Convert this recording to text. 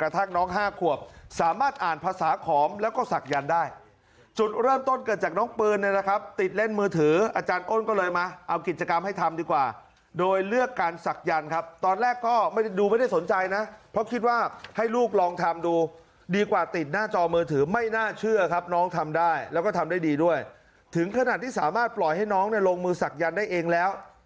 กระทั่งน้องห้าควบสามารถอ่านภาษาขอมแล้วก็สักยันได้จุดเริ่มต้นเกิดจากน้องปืนเนี่ยนะครับติดเล่นมือถืออาจารย์โอนก็เลยมาเอากิจกรรมให้ทำดีกว่าโดยเลือกการสักยันครับตอนแรกก็ไม่ได้ดูไม่ได้สนใจนะเพราะคิดว่าให้ลูกลองทำดูดีกว่าติดหน้าจอมือถือไม่น่าเชื่อครับน้องทำได้แล